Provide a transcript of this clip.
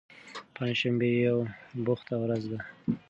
پنجشنبه یوه بوخته ورځ ده.